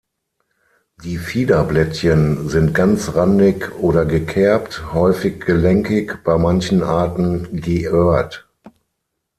Die Fiederblättchen sind ganzrandig oder gekerbt, häufig gelenkig, bei manchen Arten geöhrt.